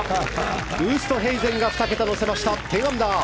ウーストヘイゼンが２桁に乗せて１０アンダー。